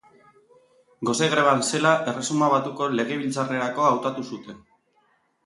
Gose greban zela, Erresuma Batuko Legebiltzarrerako hautatu zuten.